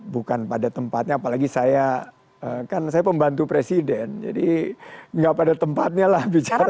bukan pada tempatnya apalagi saya kan saya pembantu presiden jadi nggak pada tempatnya lah bicara